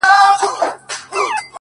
څه ته مي زړه نه غواړي؛